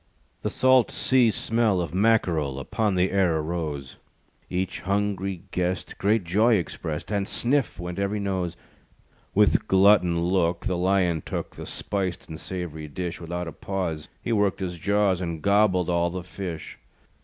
The salt sea smell Of Mackerel, Upon the air arose; Each hungry guest Great joy expressed, And "sniff!" went every nose. With glutton look The Lion took The spiced and sav'ry dish. Without a pause He worked his jaws, And gobbled all the fish.